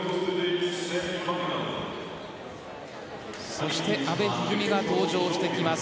そして阿部一二三が登場してきます。